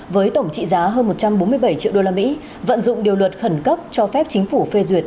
với tổng trị giá hơn một trăm bốn mươi bảy triệu đô la mỹ vận dụng điều luật khẩn cấp cho phép chính phủ phê duyệt